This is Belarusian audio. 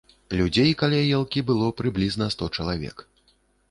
Людзей каля елкі было прыблізна сто чалавек.